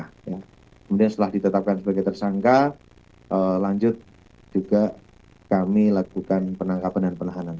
kemudian setelah ditetapkan sebagai tersangka lanjut juga kami lakukan penangkapan dan penahanan